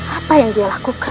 apa yang dia lakukan